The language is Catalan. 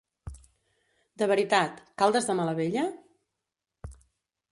De veritat, Caldes de Malavella?